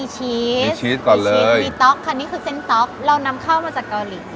ชีสก่อนเลยชีสปีต๊อกค่ะนี่คือเส้นต๊อกเรานำเข้ามาจากเกาหลี